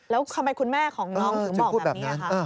แล้วทำไมคุณแม่ของน้องถึงบอกแบบนี้ค่ะ